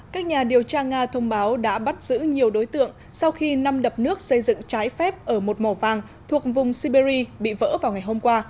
các nhà điều tra nga thông báo đã bắt giữ nhiều đối tượng sau khi năm đập nước xây dựng trái phép ở một mỏ vàng thuộc vùng siberia bị vỡ vào ngày hôm qua